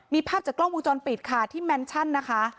มีภาพจากกล้องวงจรปิดค่ะที่แมนชั่นนะคะ